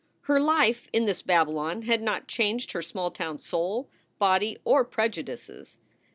Her life in this Babylon had not changed her small town soul, body, or prejudices.